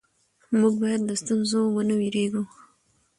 موږ باید له ستونزو ونه وېرېږو